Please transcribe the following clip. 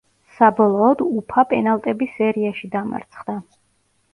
საბოლოოდ „უფა“ პენალტების სერიაში დამარცხდა.